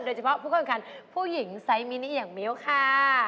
โดยเฉพาะผู้เข้าเห็นขันผู้หญิงไซด์มินิอย่างมิวค่ะ